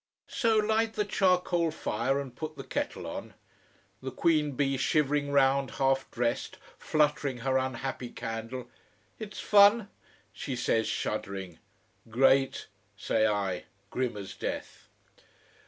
So light the charcoal fire and put the kettle on. The queen bee shivering round half dressed, fluttering her unhappy candle. "It's fun," she says, shuddering. "Great," say I, grim as death.